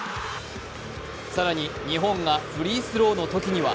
更に日本がフリースローのときには